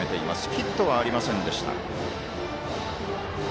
ヒットはありませんでした。